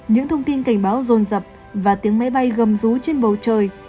những thông tin cảnh báo rồn rập và tiếng máy bay gầm rú trên bầu trời